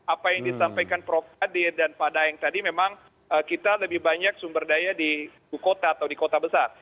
apa yang disampaikan prof kadir dan pak daeng tadi memang kita lebih banyak sumber daya di ibu kota atau di kota besar